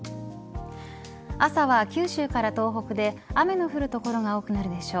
朝は九州から東北で雨の降る所が多くなるでしょう。